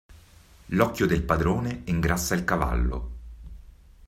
L'occhio del padrone ingrassa il cavallo.